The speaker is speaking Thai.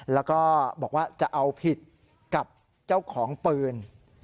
แล้วก็บอกว่าจะเอาผิดกับเจ้าของปืน